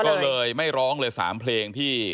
ก็เลยไม่ร้องเลย๓เพลงที่